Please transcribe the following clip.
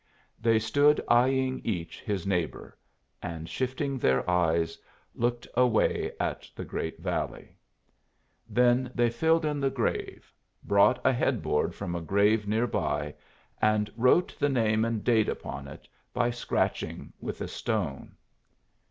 They stood eying each his neighbor, and shifting their eyes, looked away at the great valley. Then they filled in the grave, brought a head board from a grave near by, and wrote the name and date upon it by scratching with a stone.